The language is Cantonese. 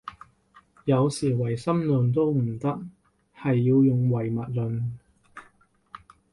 有時唯心論都唔得，係要用唯物論